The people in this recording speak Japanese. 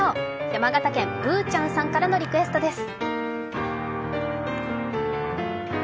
山形県、ぶーちゃんさんからのリクエストです。